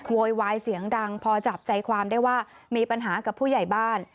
โวยวายเสียงดังพอจับใจความได้ว่ามีปัญหากับผู้ใหญ่บ้าน